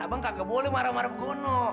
abang kagak boleh marah marah begitu